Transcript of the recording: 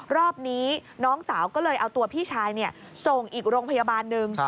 รอบนี้น้องสาวก็เลยเอาตัวพี่ชายส่งอีกโรงพยาบาลหนึ่ง